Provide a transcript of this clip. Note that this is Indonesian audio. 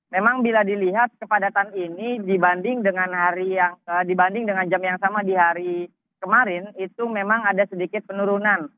memang bila dilihat kepadatan ini dibanding dengan jam yang sama di hari kemarin itu memang ada sedikit penurunan